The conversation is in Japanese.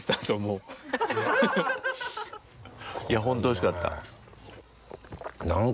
いやホントおいしかった。